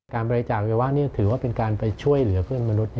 บริจาคอวัยวะนี่ถือว่าเป็นการไปช่วยเหลือเพื่อนมนุษย